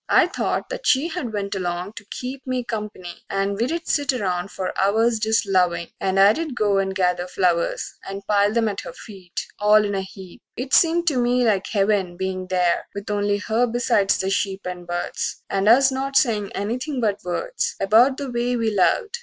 I thought that she had went along to keep Me comp'ny, and we'd set around for hours Just lovin', and I'd go and gather flowers And pile them at her feet, all in a heap. It seemed to me like heaven, bein' there With only her besides the sheep and birds, And us not sayin' anything but words About the way we loved.